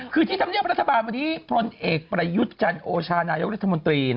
คือที่ทำเรียกว่ารัฐบาลวันนี้พรณเอกประยุทธ์จันทร์โอชานายกรัฐมนตรี